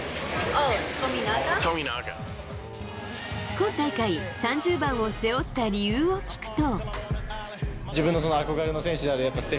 今大会、３０番を背負った理由を聞くと。